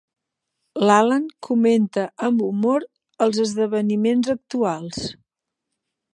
L'Alan comenta amb humor els esdeveniments actuals.